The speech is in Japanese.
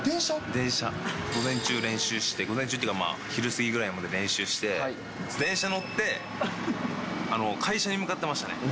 午前中練習して、午前中というか、昼過ぎぐらいまで練習して、電車に乗って会社に向かってましたね。